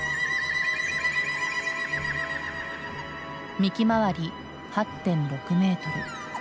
幹周り８．６メートル。